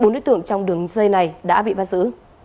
bốn đối tượng trong đường dây này đã bị bắt giữ